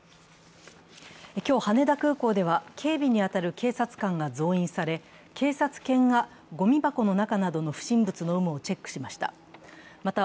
今日、羽田空港では警備に当たる警察官が増員され警察犬がごみ箱の中などの不審物の有無をチェックしました。